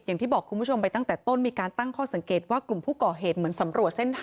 อย่างที่บอกคุณผู้ชมไปตั้งแต่ต้นมีการตั้งข้อสังเกตว่า